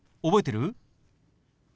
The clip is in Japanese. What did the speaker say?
覚えてる？